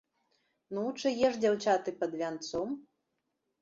Ну, чые ж дзяўчаты пад вянцом?